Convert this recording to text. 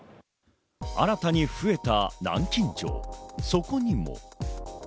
新たに増えた南京錠、そこにも。